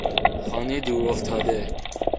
خانهی دور افتاده